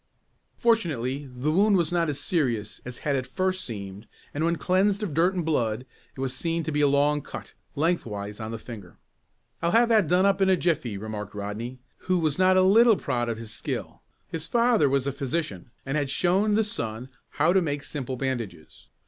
Fortunately the wound was not as serious as had at first seemed and when cleansed of dirt and blood it was seen to be a long cut, lengthwise of the finger. "I'll have that done up in a jiffy," remarked Rodney, who was not a little proud of his skill. His father was a physician, and had shown the son how to make simple bandages.